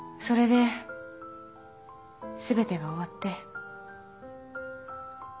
それで全てが終わって